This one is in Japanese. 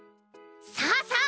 さあさあ